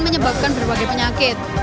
menyebabkan berbagai penyakit